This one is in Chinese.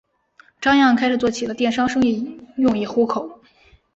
张漾开始做起了电商生意用以糊口。